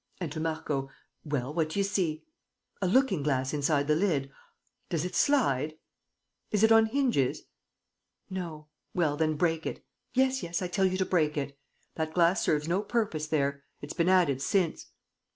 And, to Marco, "Well, what do you see? ... A looking glass inside the lid? ... Does it slide? ... Is it on hinges? ... No! ... Well, then, break it. ... Yes, yes, I tell you to break it. ... That glass serves no purpose there ... it's been added since!"